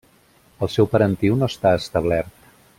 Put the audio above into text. El seu parentiu no està establert.